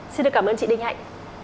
xin được cảm ơn chị đinh hạnh